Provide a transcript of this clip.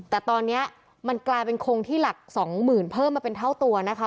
แต่ตอนนี้มันกลายเป็นคงที่หลักสองหมื่นเพิ่มมาเป็นเท่าตัวนะคะ